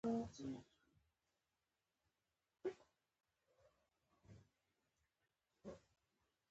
عمل کې موږ کمزوري یو.